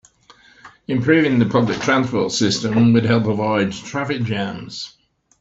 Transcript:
Improving the public transport system would help avoid traffic jams.